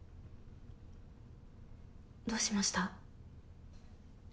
どうしました？